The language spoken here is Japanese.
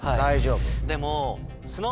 でも。